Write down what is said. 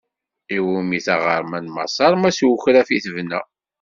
I wumi taɣerma n Maṣaṛ ma s ukraf i tebna.